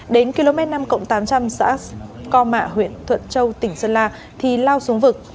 đến km năm tám trăm linh xã co mạ huyện thuận châu tỉnh sơn la thì lao xuống vực